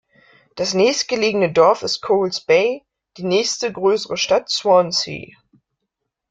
Das nächstgelegene Dorf ist Coles Bay, die nächste größere Stadt Swansea.